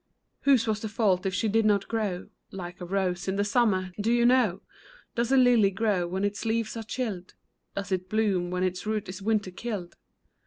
Whose was the fault if she did not grow Like a rose in the summer ? Do you know ? Does a lily grow when its leaves are chilled ? Does it bloom when its root is winter killed